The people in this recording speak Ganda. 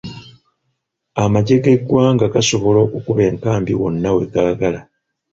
Amagye g'eggwanga gasobola okukuba enkambi wonna we gaagala.